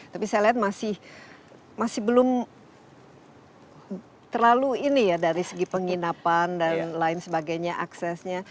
tapi saya lihat masih belum terlalu ini ya dari segi penginapan dan lain sebagainya aksesnya